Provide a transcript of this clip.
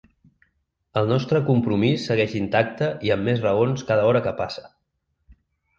El nostre compromís segueix intacte i amb més raons cada hora que passa.